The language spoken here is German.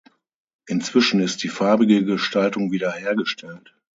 Inzwischen ist die farbige Gestaltung wieder hergestellt.